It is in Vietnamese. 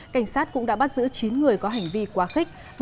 cảnh sát cũng đã bắt giữ chín người có hành vi quá khích